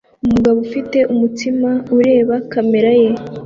Umugabo ufite umutsima ureba kamera ye